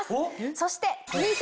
そして。